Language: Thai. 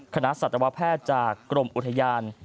สัตวแพทย์จากกรมอุทยาน